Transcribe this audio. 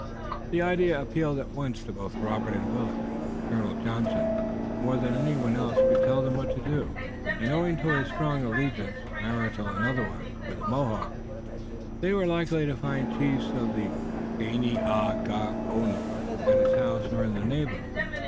The idea appealed at once to both Robert and Willet. Colonel Johnson, more than any one else could tell them what to do, and owing to his strong alliance, marital and otherwise, with the Mohawks, they were likely to find chiefs of the Ganeagaono at his house or in the neighborhood.